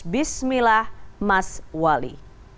bismillah mas wali